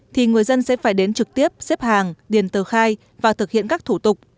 thì người dân sẽ phải đến trực tiếp xếp hàng điền tờ khai và thực hiện các thủ tục